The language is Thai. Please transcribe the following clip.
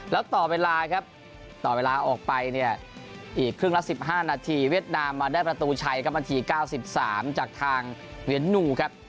แล้วต่อเวลาครับต่อเวลาออกไปเนี่ยอีกครึ่งละ๑๕นาทีเวียดนามมาได้ประตูชัยครับนาที๙๓จากทางเวียนนูครับ